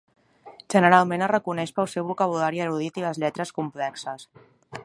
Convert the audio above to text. Generalment es reconeix pel seu vocabulari erudit i lletres complexes.